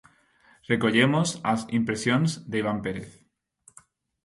Recollemos as impresións de Iván Pérez.